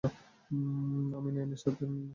আমি নায়নার সাথে কথা বলতে চাই।